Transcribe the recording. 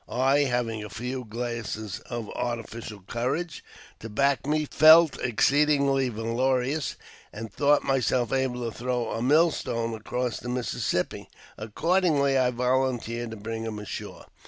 " I, having a few glasses of *' artificial courage" to back me, felt exceedingly valorous, and thought myself able to throw a mill stone across the Mississippi. Accordingly, I volunteered to bring him ashore.